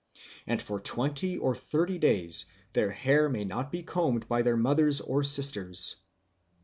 And for twenty or thirty days their hair may not be combed by their mothers or sisters.